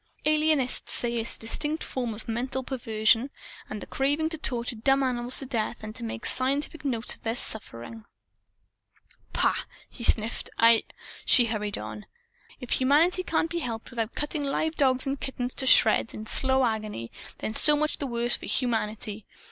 Alienists say it's a distinct form of mental perversion, the craving to torture dumb animals to death and to make scientific notes of their sufferings." "Pah!" he sniffed. "I " She hurried on "If humanity can't be helped without cutting live dogs and kittens to shreds, in slow agony then so much the worse for humanity!